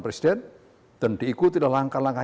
presiden dan diikuti oleh langkah langkah